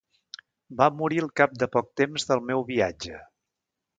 Va morir al cap de poc temps del meu viatge.